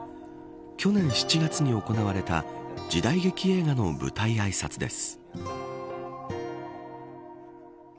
去年７月に行われた時代劇映画の舞台あいさつです。